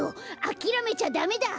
あきらめちゃダメだ。